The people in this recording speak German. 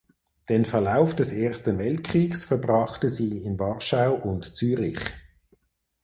Den Verlauf des Ersten Weltkriegs verbrachte sie in Warschau und Zürich.